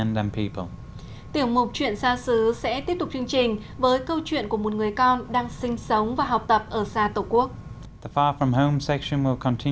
tiểu mục chuyện xa xứ sẽ tiếp tục chương trình với câu chuyện của một người con đang sinh sống và học tập ở xa tổ quốc